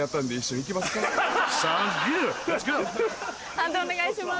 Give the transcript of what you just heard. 判定お願いします。